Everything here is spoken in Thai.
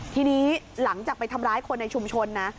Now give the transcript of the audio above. ทีนี้หลังจากไปทำร้ายคนในชุมชนนะ